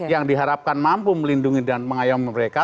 yang diharapkan mampu melindungi dan mengayomi mereka